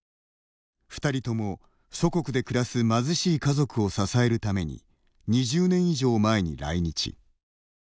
２人とも、祖国で暮らす貧しい家族を支えるために２０年以上前に来日。